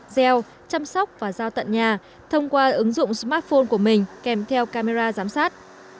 gieo chăm sóc và giao tận nhà thông qua ứng dụng smartphone của mình kèm theo camera giám sát